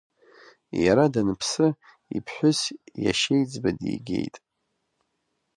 Иара даныԥсы иԥҳәыс иашьеиҵбы дигеит.